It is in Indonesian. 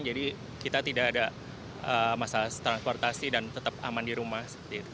jadi kita tidak ada masalah transportasi dan tetap aman di rumah